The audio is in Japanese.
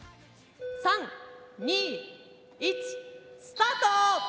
３・２・１スタート！